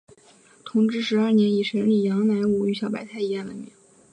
同治十二年以审理杨乃武与小白菜一案闻名。